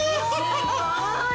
すごい！